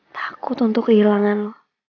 takut untuk kehilangan lo